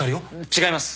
違います。